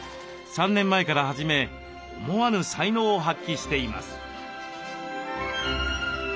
３年前から始め思わぬ才能を発揮しています。